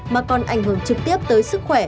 mà còn ảnh hưởng trực tiếp tới sức khỏe